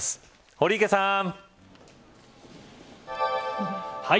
堀池さん。